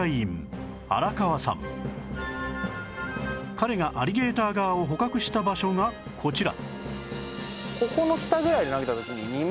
彼がアリゲーターガーを捕獲した場所がこちら